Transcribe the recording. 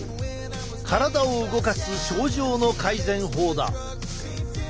体を動かす症状の改善法だ。